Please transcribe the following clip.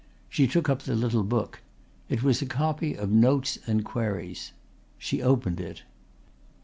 She took up the little book. It was a copy of Notes and Queries. She opened it.